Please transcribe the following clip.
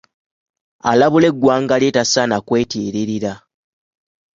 Alabula eggwanga lye tasaana kwetiiririra.